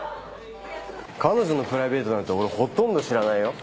彼女のプライベートなんて俺ほとんど知らないよ。